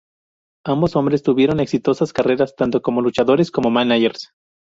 Ambos hombres tuvieron exitosas carreras tanto como luchadores como managers.